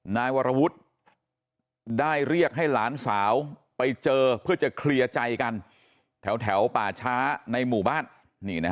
นายวรวุฒิได้เรียกให้หลานสาวไปเจอเพื่อจะเคลียร์ใจกันแถวป่าช้าในหมู่บ้าน